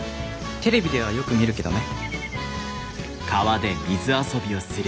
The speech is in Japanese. テレビではよく見るけどね」。